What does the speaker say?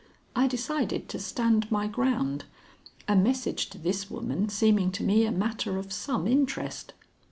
I decided to stand my ground; a message to this woman seeming to me a matter of some interest.